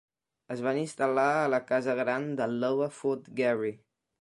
Es van instal·lar a la "casa gran" del Lower Fort Garry.